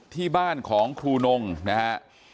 ที่บ้านของครูนงนะฮะ